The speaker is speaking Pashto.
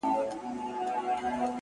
o ه زړه مي په سينه كي ساته؛